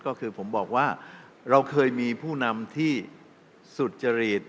ก็คือผมบอกว่าเราเคยมีผู้นำที่สุจริต